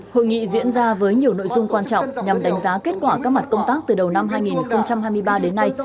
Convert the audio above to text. hội nghị diễn ra với nhiều nội dung quan trọng nhằm đánh giá kết quả các mặt công tác từ đầu năm hai nghìn hai mươi ba đến nay